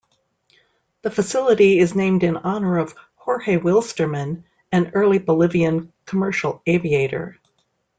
The facility is named in honor of Jorge Wilstermann, an early Bolivian commercial aviator.